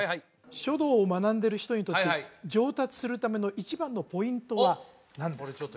書道を学んでる人にとって上達するための一番のポイントは何ですか？